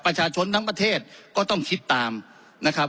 ประชาชนทั้งประเทศก็ต้องคิดตามนะครับ